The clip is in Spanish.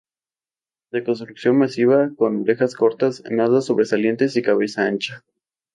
De constitución masiva, con orejas cortas, nada sobresalientes y cabeza ancha.